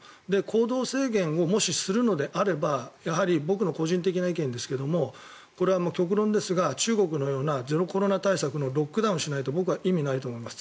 行動制限をもしするのであれば僕の個人的な意見ですけどもこれは極論ですが中国のようなゼロコロナ対策のロックダウンしないと僕は意味ないと思います。